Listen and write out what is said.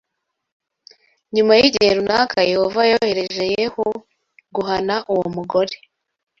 Nyuma y’igihe runaka Yehova yohereje Yehu guhana uwo mugore